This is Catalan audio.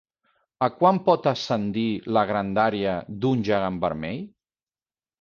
A quant pot ascendir la grandària d'un gegant vermell?